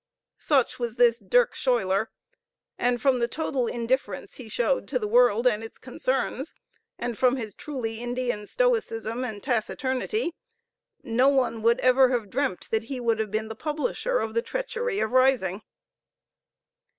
Such was this Dirk Schuiler; and from the total indifference he showed to the world and its concerns, and from his truly Indian stoicism and taciturnity, no one would ever have dreamt that he would have been the publisher of the treachery of Risingh.